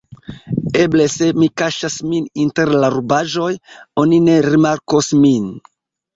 "Eble se mi kaŝas min inter la rubaĵoj, oni ne rimarkos min."